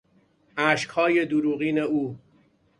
اشکهای دروغین او